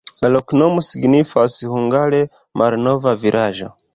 La loknomo signifas hungare: malnova-vilaĝo.